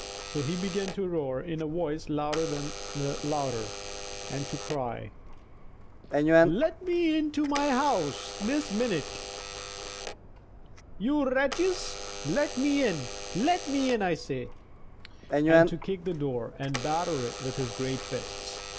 So he began to roar in a voice louder than the thunder, and to cry: "Let me into my house this minute, you wretches; let me in, let me in, I say," and to kick the door and batter it with his great fists.